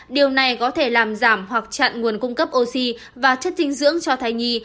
điều này có thể làm giảm hoặc chặn nguồn cung cấp oxy và chất dinh dưỡng cho thai nhi